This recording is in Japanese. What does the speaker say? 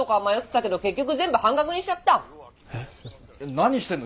何してんの？